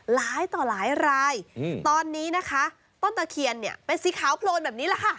หลายต่อหลายรายตอนนี้นะคะต้นตะเคียนเนี่ยเป็นสีขาวโพลนแบบนี้แหละค่ะ